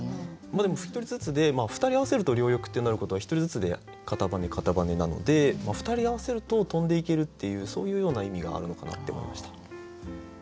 でも１人ずつでふたり合わせると両翼ってなることは１人ずつで片羽片羽なのでふたり合わせると飛んでいけるっていうそういうような意味があるのかなって思いました。